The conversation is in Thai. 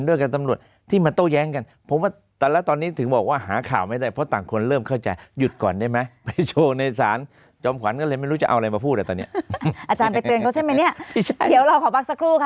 เดี๋ยวเราขอพักสักครู่ค่ะ